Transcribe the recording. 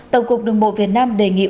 tổng cục đường bộ việt nam đề nghị